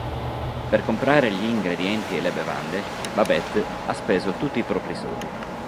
Per comprare gli ingredienti e le bevande, Babette ha speso tutti i propri soldi.